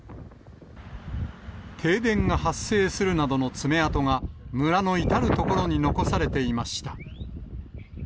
停電が発生するなどの爪痕が村の至る所に残されていました。